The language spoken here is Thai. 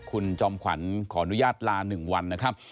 คุณจอมขวัญขออนุญาตลา๑วันนะครับ